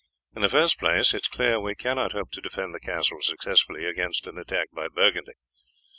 "In the first place, it is clear we cannot hope to defend the castle successfully against an attack by Burgundy.